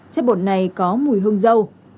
chất bột này có mùi hương rau